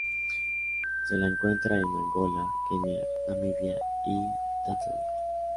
Se la encuentra en Angola, Kenia, Namibia, y Tanzania.